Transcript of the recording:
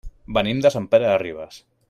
Venim de Sant Pere de Ribes.